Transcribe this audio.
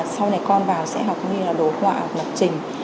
sau này con vào sẽ học như là đồ họa hoặc lập trình